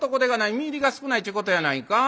実入りが少ないっちゅうことやないか？